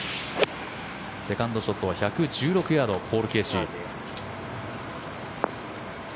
セカンドショットは１１６ヤードポール・ケーシー。